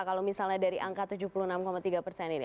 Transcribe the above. kalau misalnya dari angka tujuh puluh enam tiga persen ini